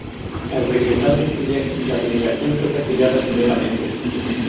Al regresar de este viaje, la delegación fue castigada severamente.